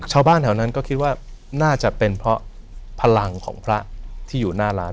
ชาวบ้านแถวนั้นก็คิดว่าน่าจะเป็นเพราะพลังของพระที่อยู่หน้าร้าน